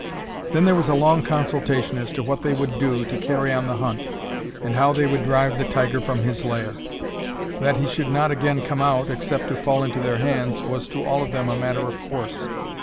Then there was a long consultation as to what they would do to carry on the hunt, and how they would drive the tiger from his lair. That he should not again come out, except to fall into their hands, was to all of them a matter of course.